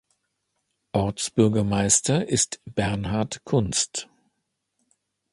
Ortsbürgermeister ist Bernhard Kunst.